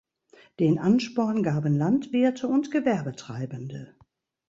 Den Ansporn gaben Landwirte und Gewerbetreibende.